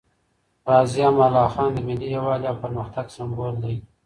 غازي امان الله خان د ملي یووالي او پرمختګ سمبول دی.